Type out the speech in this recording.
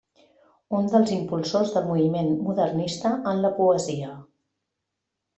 Un dels impulsors del moviment modernista en la poesia.